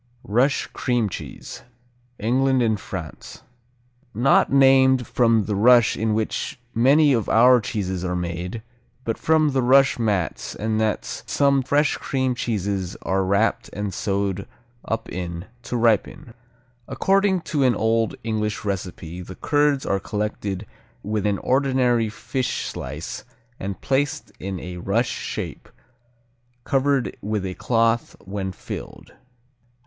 Rush Cream Cheese England and France Not named from the rush in which many of our cheeses are made, but from the rush mats and nets some fresh cream cheeses are wrapped and sewed up in to ripen. According to an old English recipe the curds are collected with an ordinary fish slice and placed in a rush shape, covered with a cloth when filled.